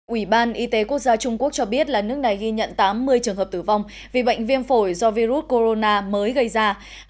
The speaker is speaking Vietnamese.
ủy ban y tế quốc gia trung quốc cho biết là nước này ghi nhận tám mươi trường hợp tử vong vì bệnh viêm phổi do virus corona mới gây ra